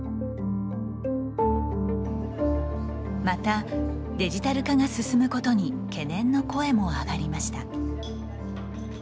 またデジタル化が進むことに懸念の声も上がりました。